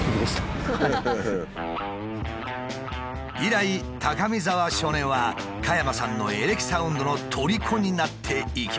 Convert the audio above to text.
以来高見沢少年は加山さんのエレキサウンドのとりこになっていきました。